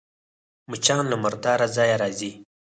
مچان له مرداره ځایه راځي